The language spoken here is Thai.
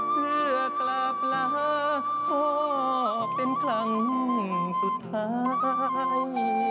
เพื่อกลับลาพ่อเป็นครั้งสุดท้าย